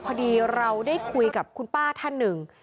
พอดีเราได้คุยกับคุณป้าท่านหนึ่ง